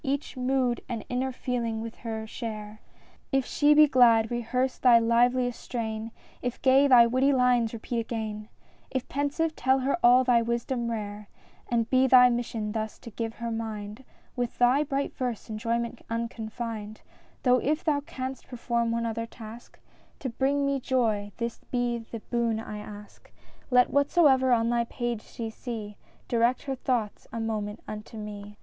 Each mood and inner feeling with her share;— If she be glad rehearse thy liveliest strain; If gay, thy witty lines repeat again; If pensive tell her all thy wisdom rare, — And be thy mission thus to give her mind With thy bright verse enjoyment unconfined; Though if thou canst perform one other task To bring me joy, this be the boon I ask : Let whatsoever on thy page she see Direct her thoughts a moment unto me.